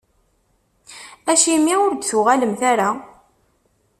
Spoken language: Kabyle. Acimi ur d-tuɣalemt ara?